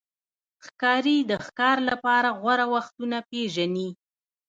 ښکاري د ښکار لپاره غوره وختونه پېژني.